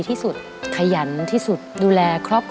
ถ่ายรูปก่อน